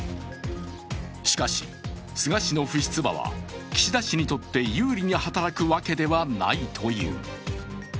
しかし菅氏の不出馬は岸田氏にとって有利に働くわけではないという。